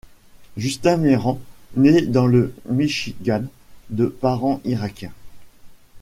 Justin Meram nait dans le Michigan de parents irakiens.